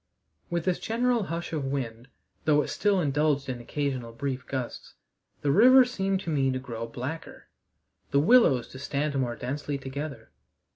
With this general hush of the wind though it still indulged in occasional brief gusts the river seemed to me to grow blacker, the willows to stand more densely together.